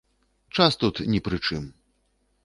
Час тут ні пры чым.